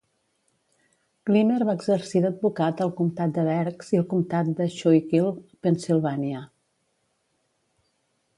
Clymer va exercir d'advocat al comtat de Berks i al comtat de Schuylkill, Pennsylvania.